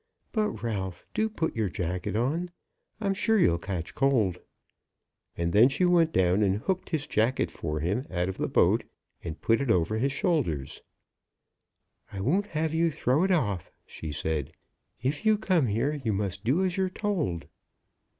But, Ralph, do put your jacket on. I'm sure you'll catch cold." And she went down, and hooked his jacket for him out of the boat, and put it over his shoulders. "I won't have you throw it off," she said; "if you come here you must do as you're told."